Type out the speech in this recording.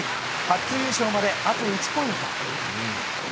初優勝まで、あと１ポイント。